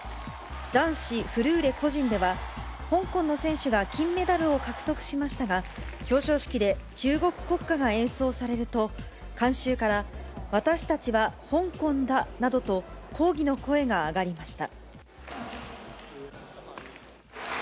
男子フルーレ個人では、香港の選手が金メダルを獲得しましたが、表彰式で中国国歌が演奏されると、観衆から、私たちは香港だなどと抗議の声が上がりました。